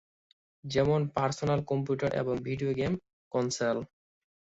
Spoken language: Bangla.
যেমন পার্সোনাল কম্পিউটার এবং ভিডিও গেম কনসোল।